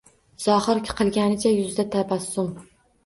Zohir qilganicha yuzda tabassum